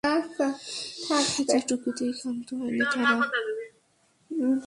এটুকুতেই খান্ত হয়নি তারা, বিদ্যালয় মাঠে চুল্লি বসিয়ে চলছে বিটুমিন গলানোর কাজ।